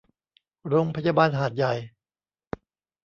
โรงพยาบาลหาดใหญ่